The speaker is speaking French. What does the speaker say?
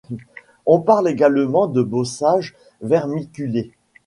On parle également de bossage vermiculé.